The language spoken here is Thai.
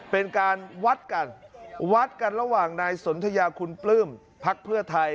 เป็นการวัดกันวัดกันระหว่างนายสนทยาคุณปลื้มพักเพื่อไทย